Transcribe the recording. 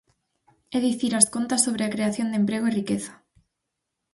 É dicir as contas sobre a creación de emprego e riqueza.